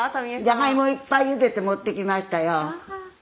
じゃがいもいっぱいゆでて持ってきましたよ。